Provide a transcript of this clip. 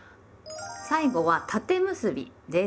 最後は「縦結び」です。